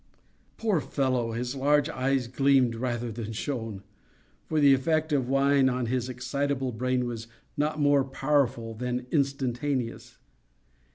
Poor fellow! his large eyes gleamed, rather than shone; for the effect of wine on his excitable brain was not more powerful than instantaneous.